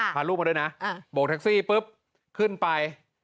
พาลูกมาด้วยนะโบกแท็กซี่ปุ๊บขึ้นไป